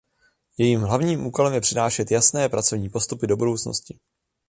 Jejím hlavním úkolem je přinášet jasné pracovní postupy do budoucnosti.